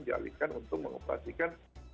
dialihkan untuk mengoperasikan